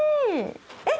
えっ！